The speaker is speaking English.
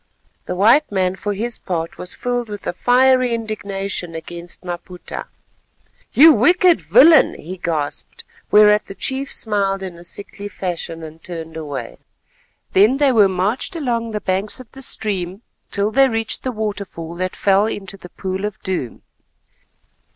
The white man for his part was filled with a fiery indignation against Maputa. "You wicked villain," he gasped, whereat the chief smiled in a sickly fashion, and turned away. Then they were marched along the banks of the stream till they reached the waterfall that fell into the Pool of Doom.